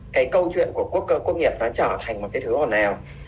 cái câu chuyện của quốc cơ quốc nghiệp nó trở thành một cái thứ hoàn ào